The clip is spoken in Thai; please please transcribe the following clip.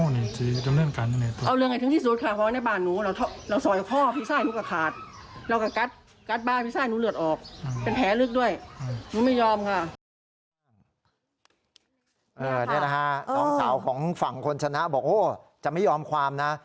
นี่แหละฮะน้องสาวของฝั่งคนชนะบอกโอ้จะไม่ยอมความนะ